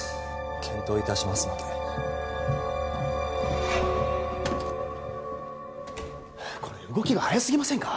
検討いたしますのでこれ動きが早すぎませんか？